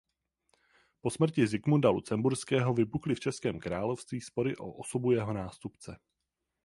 Po smrti Zikmunda Lucemburského vypukly v Českém království spory o osobu jeho nástupce.